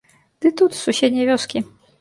Ды тут, з суседняй вёскі.